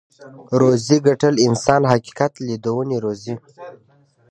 روزي ګټل انسان حقيقت ليدونی روزي.